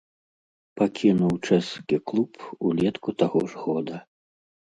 Пакінуў чэшскі клуб улетку таго ж года.